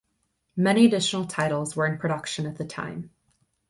Many additional titles were in production at the time.